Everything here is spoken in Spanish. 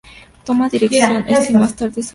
Toma dirección este y más tarde sudeste.